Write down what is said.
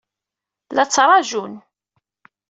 La ttṛajun.